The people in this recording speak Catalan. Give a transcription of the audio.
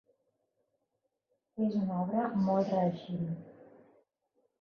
És una obra molt reeixida.